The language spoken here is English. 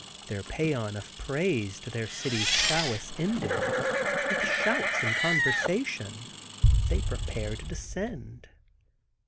Their pæan of praise to their city's prowess ended, with shouts and conversation they prepare to descend.